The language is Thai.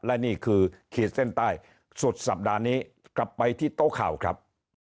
และนี่คือขีดเส้นใต้สุดสัปดาห์นี้กลับไปที่โต๊ะข่าวครับ